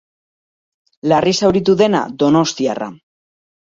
Larri zauritu dena, donostiarra.